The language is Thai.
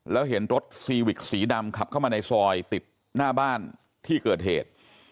แล้วเห็นรถซีวิกสีดำขับเข้ามาในซอยติดหน้าบ้านที่เกิดเหตุ